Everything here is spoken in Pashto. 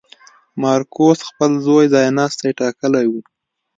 مارکوس خپل زوی ځایناستی ټاکلی و.